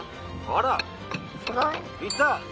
あらいった！